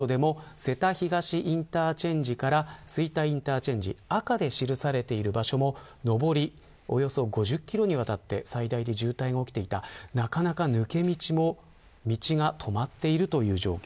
加えて、新名神高速道路以外にも名神高速道路でも瀬田東インターチェンジから吹田インターチェンジ赤で記されている場所も上りおよそ５０キロにわたって最大で渋滞が起きていたなかなか抜け道も道が止まっているという状況。